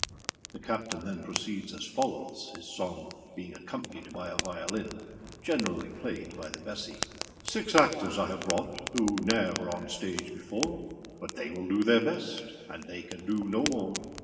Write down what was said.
The CAPTAIN then proceeds as follows, his song being accompanied by a violin, generally played by the BESSYâ Six actors I have brought Who were neâer on a stage before; But they will do their best, And they can do no more.